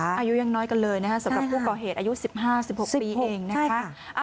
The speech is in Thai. อายุยังน้อยกันเลยนะคะสำหรับผู้ก่อเหตุอายุ๑๕๑๖ปีเองนะคะ